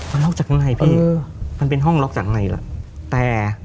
มันล็อกจากข้างในพี่มันเป็นห้องล็อกจากข้างในล่ะแต่